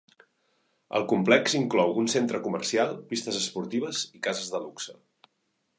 El complex inclou un centre comercial, pistes esportives i cases de luxe.